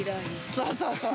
そうそうそう。